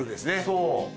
そう。